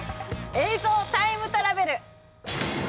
映像タイムトラベル！